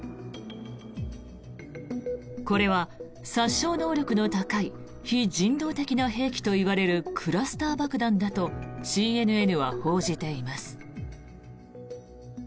これは殺傷能力の高い非人道的な兵器といわれるクラスター爆弾だとＣＮＮは報じています。